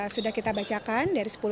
sudah kita bacakan dari sepuluh